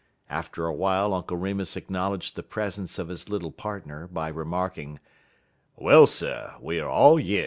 After a while Uncle Remus acknowledged the presence of his little partner by remarking: "Well, sir, we er all yer.